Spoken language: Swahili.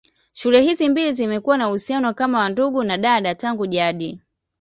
Shule hizi mbili zimekuwa na uhusiano kama wa ndugu na dada tangu jadi.